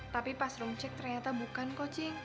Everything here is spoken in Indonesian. tapi pas rom cek ternyata bukan kok cing